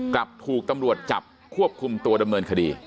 กลับถูกตำรวจจับควบคุมตัวดำเนินคดี